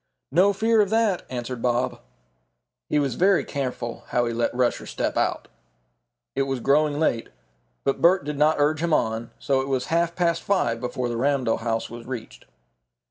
"No fear of that," answered Bob. He was very careful how he let Rusher step out. It was growing late, but Bert did not urge him on, so it was half past five before the Ramdell house was reached.